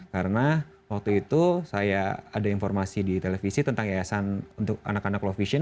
karena waktu itu saya ada informasi di televisi tentang yayasan untuk anak anak low vision